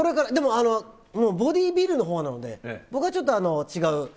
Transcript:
でも、もうボディービルのほうなので、僕はちょっと違う。